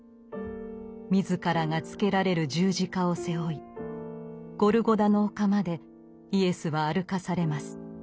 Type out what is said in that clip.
自らがつけられる十字架を背負いゴルゴダの丘までイエスは歩かされます。